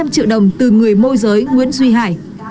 ba trăm linh triệu đồng từ người môi giới nguyễn duy hải